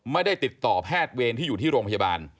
ไม่ได้ติดต่อแพทย์เวรที่อยู่ที่โรงพยาบาล